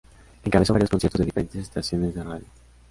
Encabezó varios conciertos de diferentes estaciones de radio.